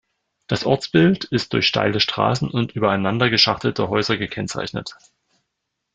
Das Ortsbild ist durch steile Straßen und übereinander geschachtelte Häuser gekennzeichnet.